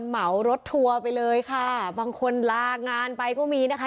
เหมารถทัวร์ไปเลยค่ะบางคนลางานไปก็มีนะคะ